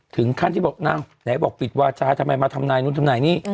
ถึงขั้นที่บอกนะไหนบอกปิดวาจาทำไมมาทำนายนู้นทำนายนี่